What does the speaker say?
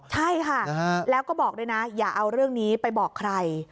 ใช่ค่ะแล้วก็บอกด้วยนะอย่าเอาเรื่องนี้ไปบอกใคร